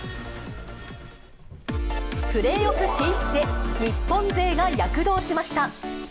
プレーオフ進出へ、日本勢が躍動しました。